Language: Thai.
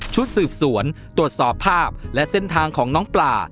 ชุดสืบสวนตรวจสอบภาพและเส้นทางของน้องปลา